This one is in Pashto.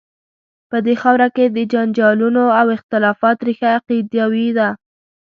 په دې خاوره کې د جنجالونو او اختلافات ریښه عقیدوي ده.